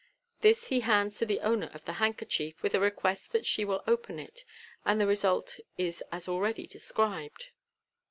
This he hands to the owner of the handkerchief, with a request that she will open it, and the result is as already described.